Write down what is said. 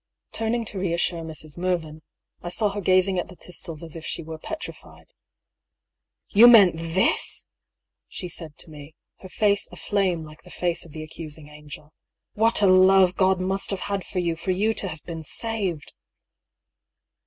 154 I>K PACLL'S THEORr. Taming to reassiire Mrs. Merryn, I saw h^* gazing at the pistols as if she were petrified. ^ Yoa meant this f " she said to me, her face aflame like the face of the accusing AngeL "• What a lore God most have had for yon, for yoa to haTe been sayed